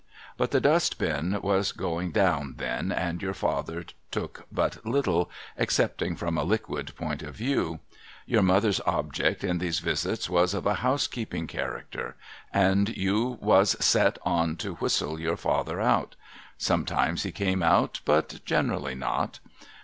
But the Dust Bin was going down then, and your father took but little, — excepting from a liquid point of view. Your mother's object in those visits was of a housekeeping PRELIMINARY REMARKS ON WAITERS a8i character, and you was set on to whistle your father out. Sometimes he came out, but generally not.